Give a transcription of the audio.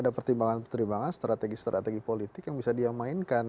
ada pertimbangan pertimbangan strategi strategi politik yang bisa dia mainkan